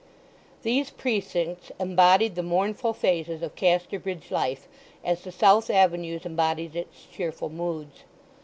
These precincts embodied the mournful phases of Casterbridge life, as the south avenues embodied its cheerful moods.